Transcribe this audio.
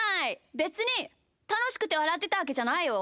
べつに、たのしくてわらってたわけじゃないよ。